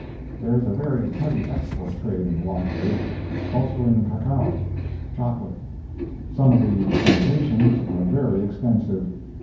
There is a very heavy export trade in logwood. Also in cacao (chocolate). Some of the plantations are very extensive.